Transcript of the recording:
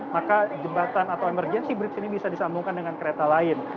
maka jembatan atau emergency bridge ini bisa disambungkan dengan kereta lain